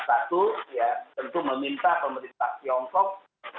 satu ya tentu meminta pemerintah tiongkok